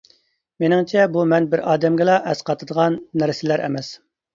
مېنىڭچە بۇ مەن بىر ئادەمگىلا ئەسقاتىدىغان نەرسىلەر ئەمەس!